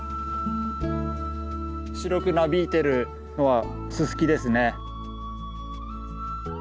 白くなびいてるのはススキですね。